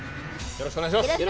よろしくお願いします。